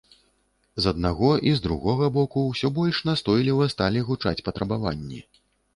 З аднаго і з другога боку ўсё больш настойліва сталі гучаць патрабаванні.